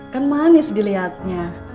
kan manis dilihatnya